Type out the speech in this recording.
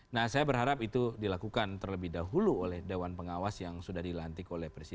nah saya berharap itu dilakukan terlebih dahulu oleh dewan pengawas yang sudah dilantik oleh presiden